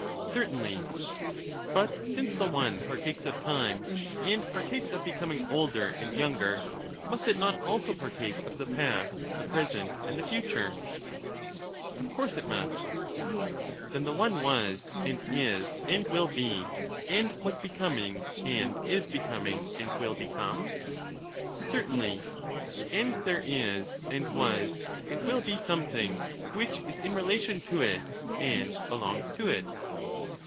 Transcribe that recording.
Certainly. But since the one partakes of time, and partakes of becoming older and younger, must it not also partake of the past, the present, and the future ? Of course it must. Then the one was and is and will be, and was becoming and is becoming and will become ? Certainly. And there is and was and will be something which is in relation to it and belongs to it